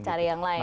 cari yang lain